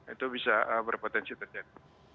itu bisa berpotensi terjadi